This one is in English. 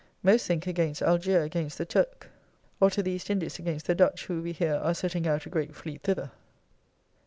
Most think against Algier against the Turk, or to the East Indys against the Dutch who, we hear, are setting out a great fleet thither.